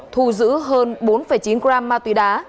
thu giữ hơn bốn chín gram ma túy đá